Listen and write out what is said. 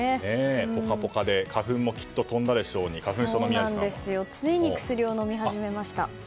ポカポカで花粉もきっと飛んだでしょうについに薬を飲み始めました。